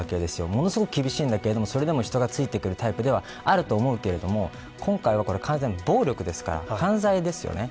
ものすごく厳しいんだけれども人がついてくるタイプではあると思うけれども今回は暴力ですから犯罪ですよね。